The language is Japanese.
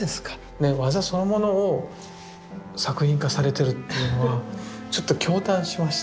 技そのものを作品化されてるっていうのはちょっと驚嘆しました。